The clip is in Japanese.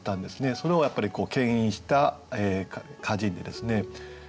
それをけん引した歌人でですね